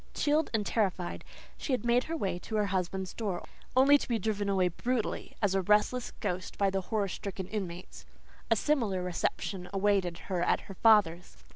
Chilled and terrified, she had made her way to her husband's door, only to be driven away brutally as a restless ghost by the horror stricken inmates. A similar reception awaited her at her father's.